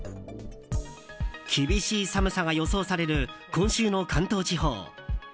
厳しい寒さが予想される今週の関東地方。